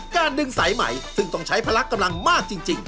การดึงสายใหม่ซึ่งต้องใช้พลักษณ์กำลังมากจริง